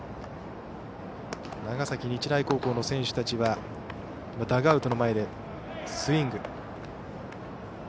長崎日大高校の選手たちはダグアウトの前でスイング。